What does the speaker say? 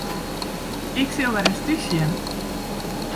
Ik sil wer ris thús sjen.